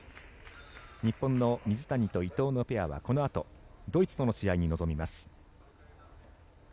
日本の水谷と伊藤のペアはこのあとドイツとの試合に臨みます。